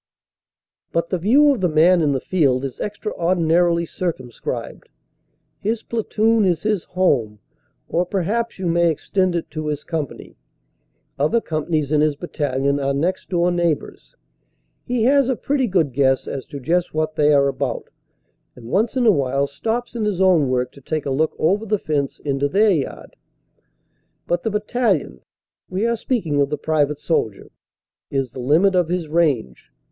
But the view of the man in the field is extraordinarily cir cumscribed. His platoon is his home or, perhaps, you may extend it to his company; other companies in his battalion are next door neighbors; he has a pretty good guess as to just what they are about, and once in a while stops in his own work to take a look over the fence into their yard. But the battalion we are speaking of the private soldier is the limit of his range.